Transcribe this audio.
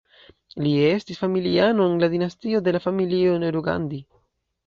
Li estis familiano en la dinastio de la Familio Nehru-Gandhi.